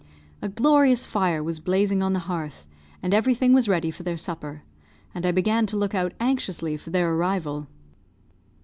A glorious fire was blazing on the hearth, and everything was ready for their supper; and I began to look out anxiously for their arrival.